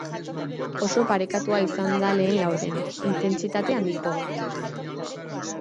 Oso parekatua izan da lehen laurdena, intentsitate handikoa.